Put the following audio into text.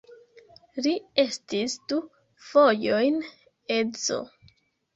Li estis du fojojn edzo.